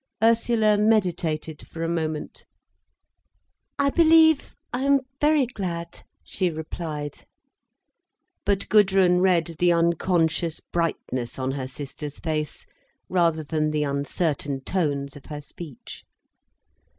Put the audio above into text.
Ursula meditated for a moment. "I believe I am very glad," she replied. But Gudrun read the unconscious brightness on her sister's face, rather than the uncertain tones of her speech.